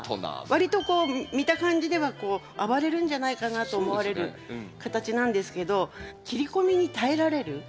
わりとこう見た感じでは暴れるんじゃないかなと思われる形なんですけど切り込みに耐えられる。